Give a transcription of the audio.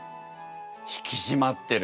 引き締まってる。